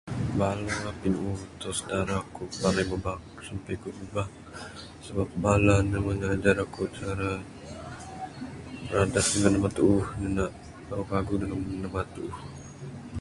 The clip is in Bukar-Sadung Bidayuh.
Bala pinuuh atau sedara aku panai ngubah aku sabab bala ne meh ngajar aku cara bradat dangan namba tuuh, paguh paguh ngan namba tuuh.